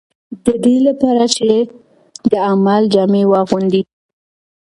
د دې لپاره چې د عمل جامه واغوندي.